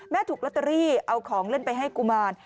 ถูกลอตเตอรี่เอาของเล่นไปให้กุมาร